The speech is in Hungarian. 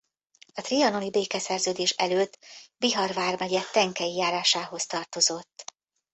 A trianoni békeszerződés előtt Bihar vármegye Tenkei járásához tartozott.